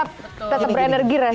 tetep berenergi rasanya ya